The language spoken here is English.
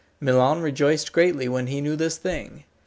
Milon rejoiced greatly when he knew this thing.